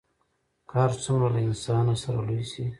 که هر څومره له انسانه سره لوی سي